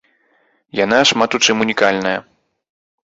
Яна шмат у чым унікальная.